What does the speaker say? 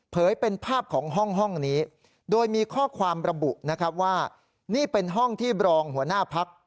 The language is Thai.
เป็นภาพของห้องนี้โดยมีข้อความระบุนะครับว่านี่เป็นห้องที่บรองหัวหน้าพัก